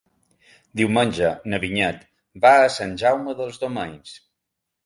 Diumenge na Vinyet va a Sant Jaume dels Domenys.